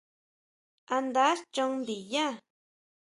¿A nda chon ndinyá?